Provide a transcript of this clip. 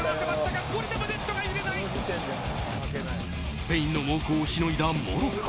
スペインの猛攻をしのいだモロッコ。